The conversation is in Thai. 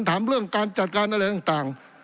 ถามเรื่องการจัดการอะไรต่าง